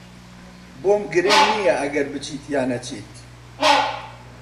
بۆم گرنگ نییە ئەگەر بچیت یان نەچیت.